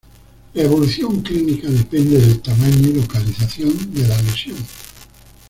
La evolución clínica depende del tamaño y localización de la lesión.